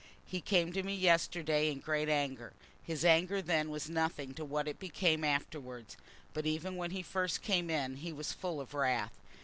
He came to me yesterday in great anger. His anger then was nothing to what it became afterwards; but even when he first came in he was full of wrath.